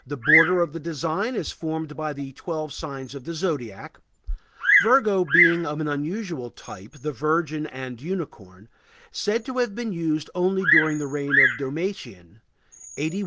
The border of the design is formed by the twelve signs of the zodiac, Virgo being of an unusual type,—the virgin and a unicorn,—said to have been used only during the reign of Domitian (81 96 A.